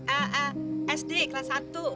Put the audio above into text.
eh eh sd kelas satu